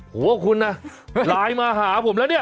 หัวคุณนะไลน์มาหาผมแล้วเนี่ย